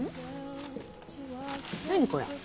何これ？